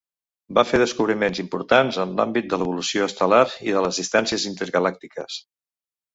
Va fer descobriments importants en l'àmbit de l'evolució estel·lar i de les distàncies intergalàctiques.